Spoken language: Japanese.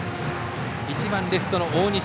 １番レフトの大西。